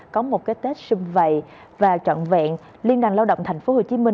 có một cái tết xung vầy và trọn vẹn liên đoàn lao động tp hcm